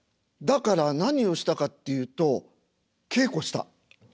だから何をしたかっていうと稽古した。